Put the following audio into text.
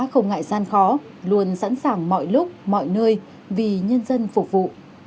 không ngại gian khó luôn sẵn sàng mọi lúc mọi nơi vì nhân dân phục vụ